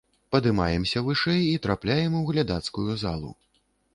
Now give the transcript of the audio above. Падымаемся вышэй, і трапляем у глядацкую залу.